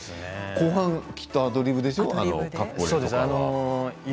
後半きっとアドリブでしょう？